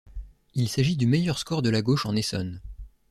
Il s'agit du meilleur score de la gauche en Essonne.